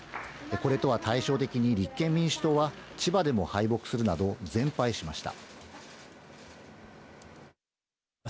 これとは対照的に立憲民主党は千葉でも敗北するなど、全敗しました。